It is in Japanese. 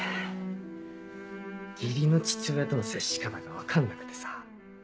義理の父親との接し方が分かんなくてさ。